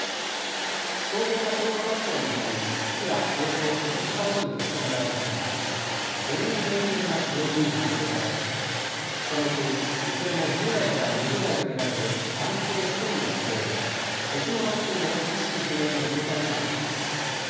消防が消火活動にあたり火はおよそ１時間後に消し止められましたが５人全員が病院に搬送されこのうちいずれも１０代から２０代と見られる男性１人が死亡、別の男性も意識不明の重体となっています。